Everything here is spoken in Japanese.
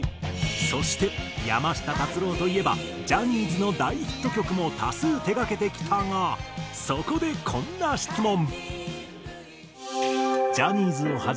そして山下達郎といえばジャニーズの大ヒット曲も多数手掛けてきたがそこでこんな質問。